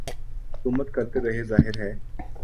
حکومت کرتے رہے ظاہر ہے